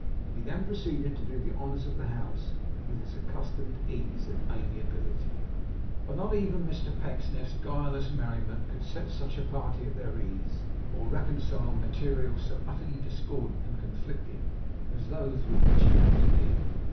He then proceeded to do the honours of the house with his accustomed ease and amiability. But not even Mr Pecksniff's guileless merriment could set such a party at their ease, or reconcile materials so utterly discordant and conflicting as those with which he had to deal.